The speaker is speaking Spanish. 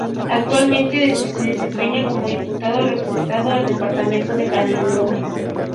Actualmente se desempeña como Diputado, representando al departamento de Canelones.